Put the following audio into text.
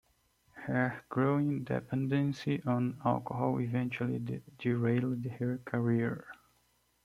Her growing dependency on alcohol eventually derailed her career.